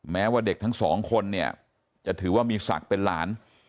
แม้ว่าเด็กทั้งสองคนเนี่ยจะถือว่ามีศักดิ์เป็นหลาน